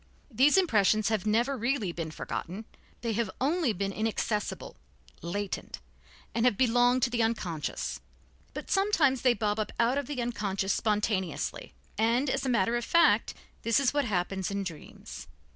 These impressions have never really been forgotten, they have only been inaccessible, latent, have belonged to the unconscious. But sometimes they bob up out of the unconscious spontaneously, and, as a matter of fact, this is what happens in dreams.